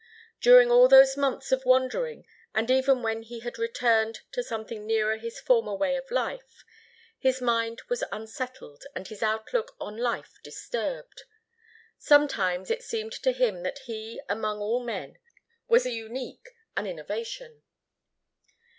During all those months of wandering, and even when he had returned to something nearer his former way of life, his mind was unsettled and his outlook on life disturbed. Sometimes it seemed to him that he, among all men, was a unique, an innovation.